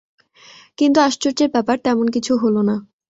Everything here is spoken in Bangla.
কিন্তু আশ্চর্যের ব্যাপার, তেমন কিছু হল না।